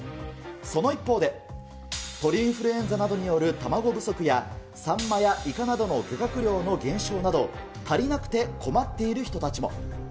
その一方で、鳥インフルエンザなどによる卵不足や、サンマやイカなどの漁獲量の減少など、足りなくて困っている人たちも。